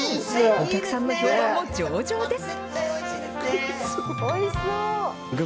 お客さんの評判も上々です。